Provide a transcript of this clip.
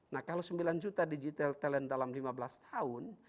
nah kalau sembilan juta digital talent dalam lima belas tahun